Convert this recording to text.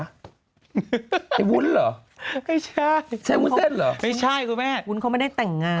ไอ้วุ้นเหรอเขาไม่ได้แต่งงาน